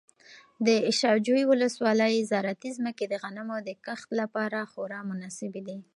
د شاجوی ولسوالۍ زراعتي ځمکې د غنمو د کښت لپاره خورا مناسبې دي.